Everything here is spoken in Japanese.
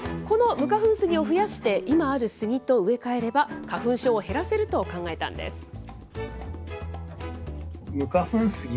この無花粉スギを増やして、今あるスギと植え替えれば、花粉症を減らせると考えたんです。